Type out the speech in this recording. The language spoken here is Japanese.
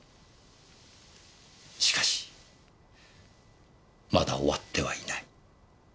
しかしまだ終わってはいない。